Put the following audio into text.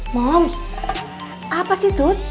moms apa sih tut